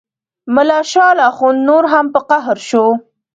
ملا شال اخند نور هم په قهر شو.